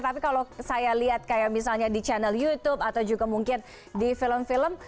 tapi kalau saya lihat kayak misalnya di channel youtube atau juga mungkin di film film